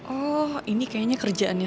oh ini kayaknya kerjaannya